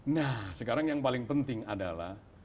nah sekarang yang paling penting adalah